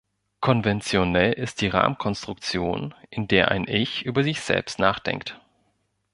Konventionell ist die Rahmenkonstruktion, in der ein Ich über sich selbst nachdenkt.